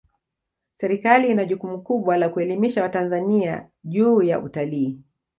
serikali ina jukumu kubwa la kuelimisha watanzania juu ya utalii